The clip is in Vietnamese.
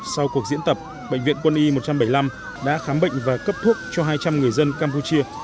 sau cuộc diễn tập bệnh viện quân y một trăm bảy mươi năm đã khám bệnh và cấp thuốc cho hai trăm linh người dân campuchia